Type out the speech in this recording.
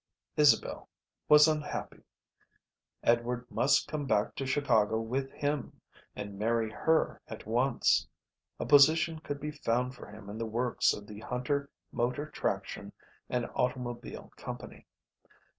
Isabel was unhappy. Edward must come back to Chicago with him and marry her at once. A position could be found for him in the works of the Hunter Motor Traction and Automobile Company.